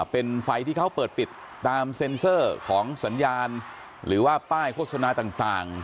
เป็นไฟที่เขาเปิดปิดตามเซ็นเซอร์ของสัญญาณหรือว่าป้ายโฆษณาต่าง